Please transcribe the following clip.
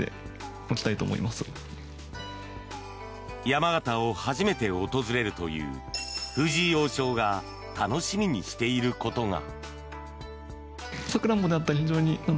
山形を初めて訪れるという藤井王将が楽しみにしていることが。